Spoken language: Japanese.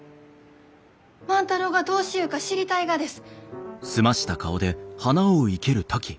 万太郎がどうしゆうか知りたいがです！